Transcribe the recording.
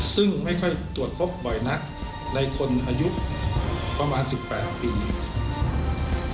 ซึ่งไม่ค่อยตรวจพบบ่อยนักในคนอายุประมาณ๑๘ปี